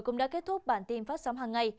cũng đã kết thúc bản tin phát sóng hàng ngày